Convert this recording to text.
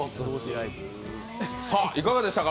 さあ、いかがでしたか？